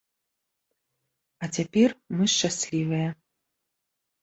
А цяпер мы шчаслівыя.